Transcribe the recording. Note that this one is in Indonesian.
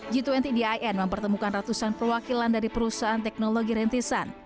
g dua puluh din mempertemukan ratusan perwakilan dari perusahaan teknologi rentisan